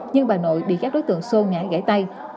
nhưng bà nội bị các đối tượng xô ngã gãy tay